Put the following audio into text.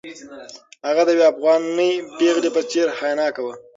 هغه د یوې افغانۍ پېغلې په څېر حیاناکه وه.